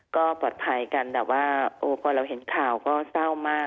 ก็ปลอดภัยกันแบบว่าโอ้พอเราเห็นข่าวก็เศร้ามาก